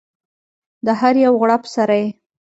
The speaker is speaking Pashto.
د هر یو غړپ سره یې